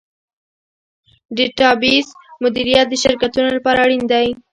ډیټابیس مدیریت د شرکتونو لپاره اړین مهارت دی.